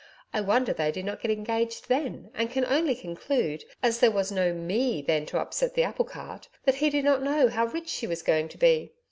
I wonder they did not get engaged then, and can only conclude as there was no ME then to upset the apple cart that he did not know how rich she was going to be.